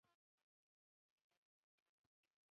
兴趣是散步与研究竹轮。